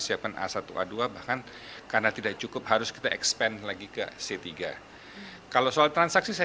siapkan a satu a dua bahkan karena tidak cukup harus kita expen lagi ke c tiga kalau soal transaksi saya